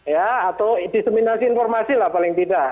ya atau diseminasi informasi lah paling tidak